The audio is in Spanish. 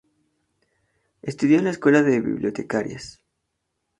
Estudió en la Escuela de Bibliotecarias.